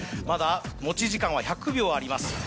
まだ持ち時間は１００秒あります。